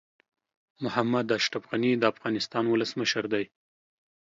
محمد اشرف غني د افغانستان ولسمشر دي.